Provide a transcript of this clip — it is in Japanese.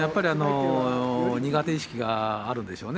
苦手意識があるんでしょうね。